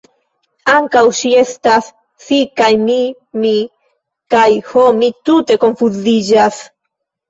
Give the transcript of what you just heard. Ankaŭ ŝi estas si, kaj mi mi, kaj... ho, mi tute konfuziĝas!